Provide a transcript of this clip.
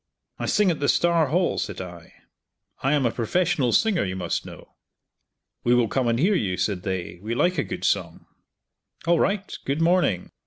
"I sing at the Star Hall," said I, "I am a professional singer, you must know." "We will come and hear you," said they, "we like a good song." "All right! Good morning!"